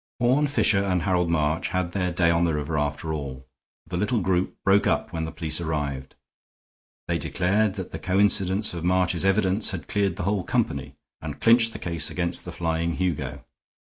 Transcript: Horne Fisher and Harold March had their day on the river, after all, for the little group broke up when the police arrived. They declared that the coincidence of March's evidence had cleared the whole company, and clinched the case against the flying Hugo.